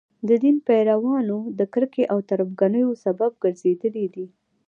د دین پیروانو د کرکې او تربګنیو سبب ګرځېدلي دي.